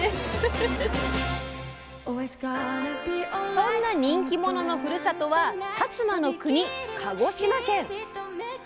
そんな人気者のふるさとは薩摩の国鹿児島県。